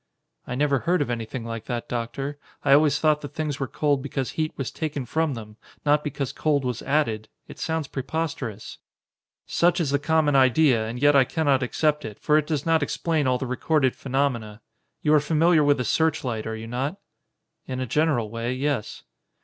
"I never heard of anything like that, Doctor. I always thought that things were cold because heat was taken from them not because cold was added. It sounds preposterous." "Such is the common idea, and yet I cannot accept it, for it does not explain all the recorded phenomena. You are familiar with a searchlight, are you not?" "In a general way, yes."